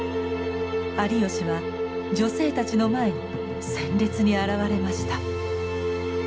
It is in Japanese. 有吉は女性たちの前に鮮烈に現れました。